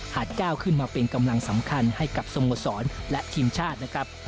ก้าวขึ้นมาเป็นกำลังสำคัญให้กับสโมสรและทีมชาตินะครับ